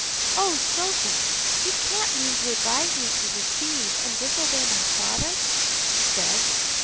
"Oh, Sophy! you can't mean to advise me to deceive and disobey my father?" she said.